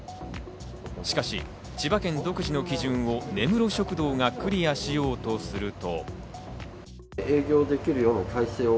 しかし千葉県独自の基準を根室食堂がクリアしようとすると。